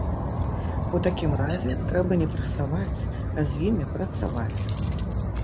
У такім разе трэба не прэсаваць, а з імі працаваць!